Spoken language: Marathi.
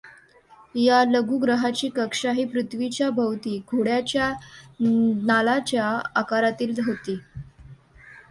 या लघुग्रहाची कक्षा ही पृथ्वीच्या भोवती घोड्याच्या नालाच्या आकारातील होती.